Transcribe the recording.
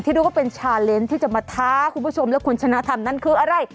นึกว่าเป็นชาเลนส์ที่จะมาท้าคุณผู้ชมและคุณชนะทำนั่นคืออะไร